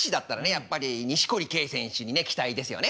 やっぱり錦織圭選手に期待ですよね。